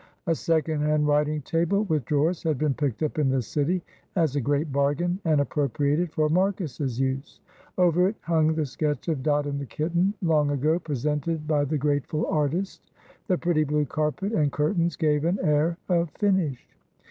A second hand writing table with drawers had been picked up in the city as a great bargain and appropriated for Marcus's use. Over it hung the sketch of Dot and the kitten, long ago presented by the grateful artist. The pretty blue carpet and curtains gave an air of finish.